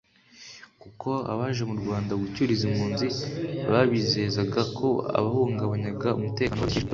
kuko abaje mu Rwanda gucyura izi mpunzi babizezaga ko abahungabanyaga umutekano bashyikirijwe ubutabera